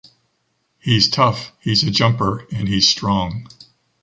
He's tough, he's a jumper and he's strong.